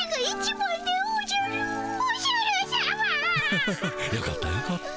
ハハハハよかったよかった。